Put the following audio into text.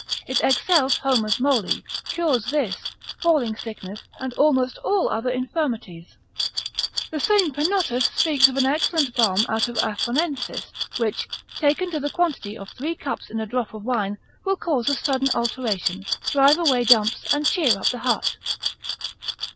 It excels Homer's moly, cures this, falling sickness, and almost all other infirmities. The same Penottus speaks of an excellent balm out of Aponensis, which, taken to the quantity of three drops in a cup of wine, will cause a sudden alteration, drive away dumps, and cheer up the heart.